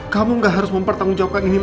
kamu gak harus mempertanggungjawabkan ini